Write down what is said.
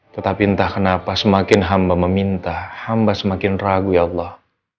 tetapi entah kenapa semakin hamba meminta hamba semakin ragu ya allah